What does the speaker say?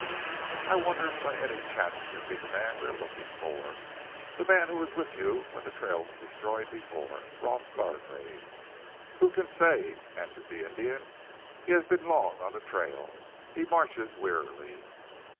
"I wonder if by any chance it can be the man we are looking for, the man who was with you when the trail was destroyed before Rolf Gargrave." "Who can say?" answered the Indian. "He has been long on the trail. He marches wearily."